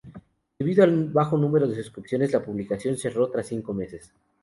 Debido al bajo número de suscripciones, La publicación cerró tras cinco meses.